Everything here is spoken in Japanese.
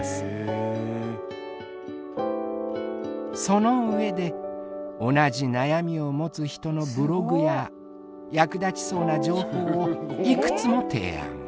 その上で同じ悩みを持つ人のブログや役立ちそうな情報をいくつも提案。